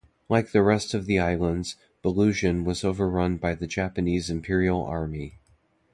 Like the rest of the islands, Bulusan was overrun by the Japanese Imperial Army.